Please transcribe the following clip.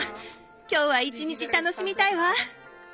今日は一日楽しみたいわ。